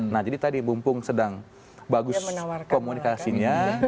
nah jadi tadi mumpung sedang bagus komunikasinya